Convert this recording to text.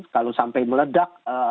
kalau sampai meledak